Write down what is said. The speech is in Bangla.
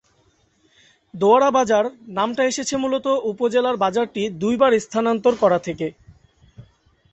দোয়ারাবাজার নামটা এসেছে মূলত উপজেলার বাজারটি দুইবার স্থানান্তর করা থেকে।